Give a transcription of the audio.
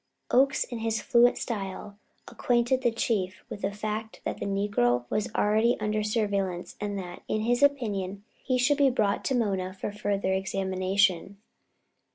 Oakes, in his fluent style, acquainted the Chief with the fact that the negro was already under surveillance and that, in his opinion, he should be brought to Mona for further examination.